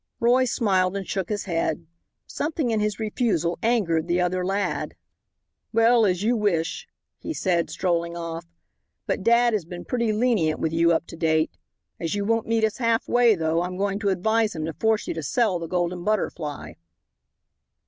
Roy smiled and shook his head. Something in his refusal angered the other lad. "Well as you wish," he said, strolling off, "but dad has been pretty lenient with you up to date. As you won't meet us half way, though I'm going to advise him to force you to sell the Golden Butterfly."